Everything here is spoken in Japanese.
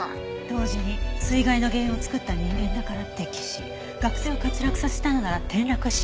同時に水害の原因を作った人間だから溺死学生を滑落させたのなら転落死。